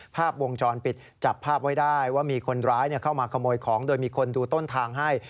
ภาพวงจรปิดจับภาพไว้ได้ว่ามีคนร้ายเข้ามาขโมยของโดยมีคนดูต้นทางให้